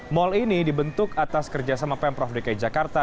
mal ini dibentuk atas kerjasama pemprov dki jakarta